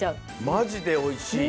マジでおいしい！